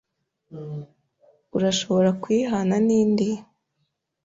Urashobora kuyihana nindi?